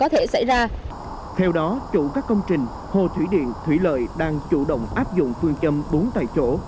theo đó chủ các công trình hồ thủy điện thủy lợi đang chủ động áp dụng phương châm bốn tại chỗ